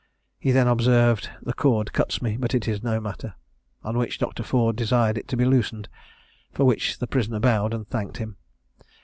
He then observed, "the cord cuts me; but it's no matter:" on which Dr. Ford desired it to be loosened, for which the prisoner bowed, and thanked him.